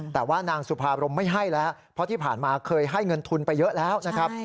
แต่ว่านางสุภาพรมไม่ให้แล้วเพราะที่ผ่านมาเคยให้เงินทุนไปเยอะแล้วนะครับ